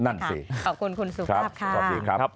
นั่นสิขอบคุณคุณสุขครับค่ะขอบคุณครับ